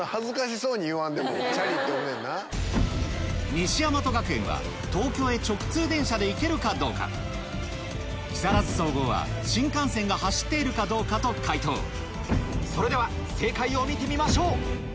西大和学園は東京へ直通電車で行けるかどうか木更津総合は新幹線が走っているかどうかと解答それでは正解を見てみましょう